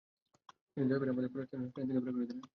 তিনি দয়া করে আমাদের পরের স্টেশনে ট্রেন থেকে বের করে দিলেন।